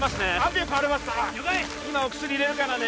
今お薬入れるからね